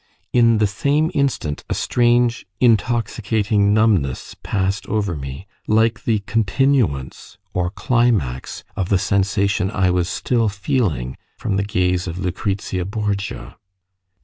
In the same instant a strange intoxicating numbness passed over me, like the continuance or climax of the sensation I was still feeling from the gaze of Lucrezia Borgia.